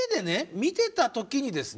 見てた時にですね